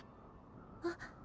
あっ。